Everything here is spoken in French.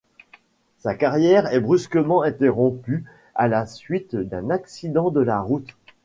Sa carrière est brusquement interrompue à la suite d'un accident de la route.